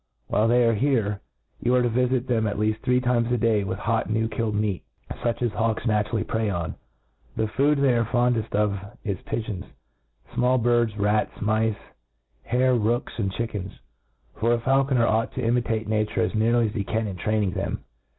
While .they are here, you are to vifit them at leaft three times a day with hot new killed 'meat, fuch as hawks naturally prey on. The food they are fondelt 6f is pigeons, fmall birds, rats, mice, hare, rooks^ and chickens ; for a faulconer' ought to imitate nature as nearly as he can in training them.